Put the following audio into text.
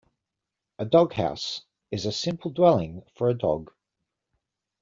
A doghouse is a simple dwelling for a dog.